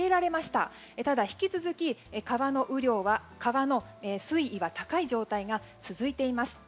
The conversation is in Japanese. ただ、引き続き川の水位は高い状態が続いています。